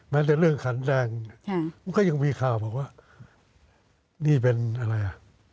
แต่เรื่องขันแดงมันก็ยังมีข่าวบอกว่านี่เป็นอะไรอ่ะ